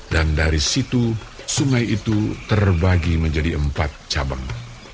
dan dari situ sungai itu terbagi menjadi empat cabang